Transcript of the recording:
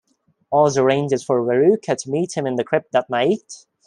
Oz arranges for Veruca to meet him in the crypt that night.